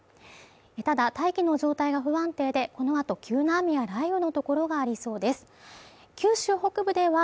ただ、大気の状態が不安定で、この後急な雨や雷雨のところがありそうです。